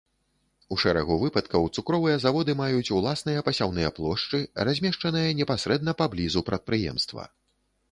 У шэрагу выпадкаў цукровыя заводы маюць уласныя пасяўныя плошчы, размешчаныя непасрэдна паблізу прадпрыемства.